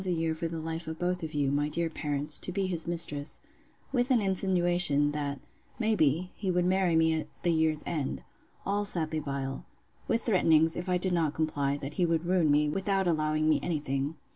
a year for the life of both you, my dear parents, to be his mistress; with an insinuation, that, may be, he would marry me at the year's end: All sadly vile: With threatenings, if I did not comply, that he would ruin me, without allowing me any thing.